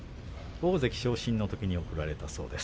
大関昇進のときに贈られたそうです。